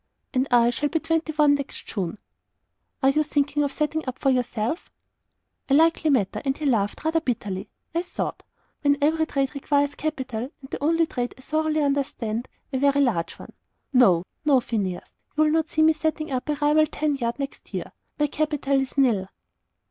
"And I shall be twenty one next June." "Are you thinking of setting up for yourself?" "A likely matter!" and he laughed, rather bitterly, I thought "when every trade requires capital, and the only trade I thoroughly understand, a very large one. No, no, Phineas; you'll not see me setting up a rival tan yard next year. My capital is NIL."